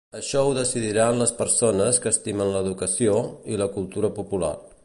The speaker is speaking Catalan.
Això ho decidiran les persones que estimen l'educació, i la cultura popular.